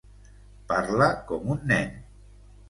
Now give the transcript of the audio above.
Parla com un nen.